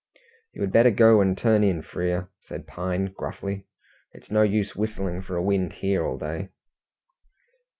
"You had better go and turn in, Frere," said Pine gruffly. "It's no use whistling for a wind here all day."